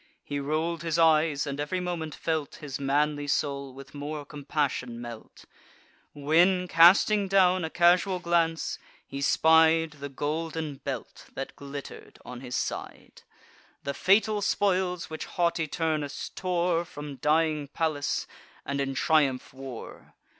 He roll'd his eyes, and ev'ry moment felt His manly soul with more compassion melt; When, casting down a casual glance, he spied The golden belt that glitter'd on his side, The fatal spoils which haughty Turnus tore From dying Pallas, and in triumph wore.